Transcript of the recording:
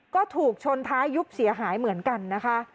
ก็ถูกชนท้ายยุบเสียหายเหมือนกันนะคะ